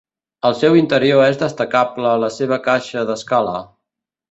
El seu interior és destacable la seva caixa d'escala.